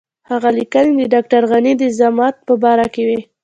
هغه لیکنې د ډاکټر غني د زعامت په باره کې وې.